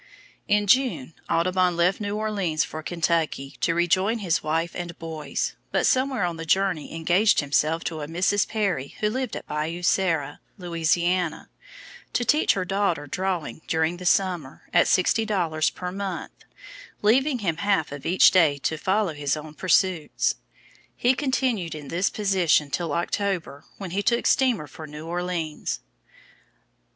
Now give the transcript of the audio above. In June, Audubon left New Orleans for Kentucky, to rejoin his wife and boys, but somewhere on the journey engaged himself to a Mrs. Perrie who lived at Bayou Sara, Louisiana, to teach her daughter drawing during the summer, at sixty dollars per month, leaving him half of each day to follow his own pursuits. He continued in this position till October when he took steamer for New Orleans.